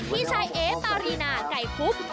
พี่ชายเอปารีนาไก่คุบ